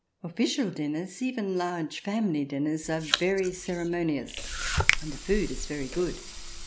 Official dinners, even large family dinners, are very ceremonious. And the food is very good.